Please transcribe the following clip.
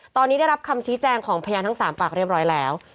ตอนนี้ได้รับคำชี้แจงของพยานทั้ง๓ปากเรียบร้อยแล้ว